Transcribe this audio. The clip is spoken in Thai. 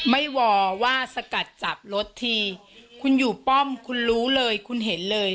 วอว่าสกัดจับรถทีคุณอยู่ป้อมคุณรู้เลยคุณเห็นเลย